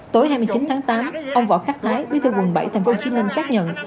tối hai mươi chín tháng tám ông võ khắc thái bí thư quận bảy tp hcm xác nhận